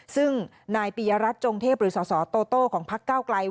ซึ่งนายปียรัฐจงเทพหรือสสโตโต้ของพักเก้าไกล